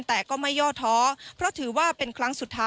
แต่ก็ไม่ยอดท้อ